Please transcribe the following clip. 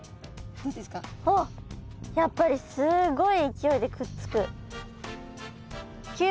やっぱりすごい勢いでくっつく。